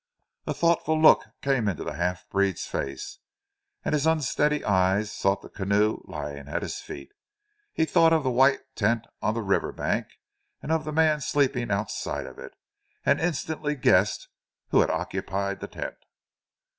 A thoughtful look came in the half breed's face, and his unsteady eyes sought the canoe lying at his feet. He thought of the white tent on the river bank and of the man sleeping outside of it, and instantly guessed who had occupied the tent.